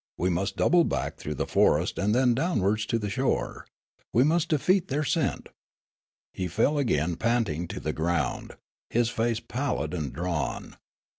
We must double back through the forest and then downwards to the shore. We must defeat their scent." He fell again panting to the ground, his face pallid and drawn.